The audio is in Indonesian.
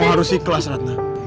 kamu harus ikhlas ratna